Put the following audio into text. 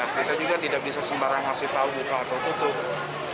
kita juga tidak bisa sembarang ngasih tahu buka atau tutup